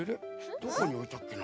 どこにおいたっけな。